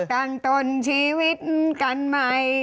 ตังตนชีวิตน์กันใหม่